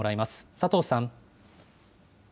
佐藤さん。